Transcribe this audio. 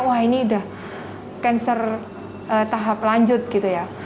wah ini udah cancer tahap lanjut gitu ya